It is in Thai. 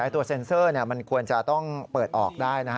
ตัวเซ็นเซอร์มันควรจะต้องเปิดออกได้